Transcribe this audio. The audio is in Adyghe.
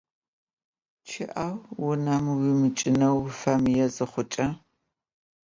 Ççı'eu, vunem vuiç'ıneu vufemıê zıxhuç'e.